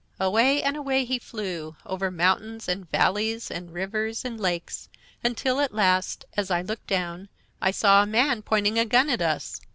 "Away and away he flew, over mountains, and valleys, and rivers, and lakes, until at last, as I looked down, I saw a man pointing a gun at us.